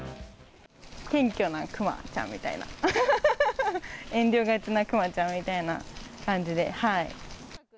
謙虚なクマちゃんみたいな、遠慮がちなクマちゃんみたいな感じで。